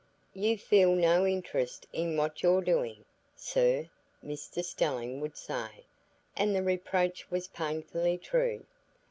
"You feel no interest in what you're doing, sir," Mr Stelling would say, and the reproach was painfully true.